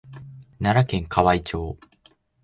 奈良県河合町